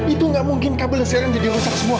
itu tidak mungkin kabelnya jadi rosak semua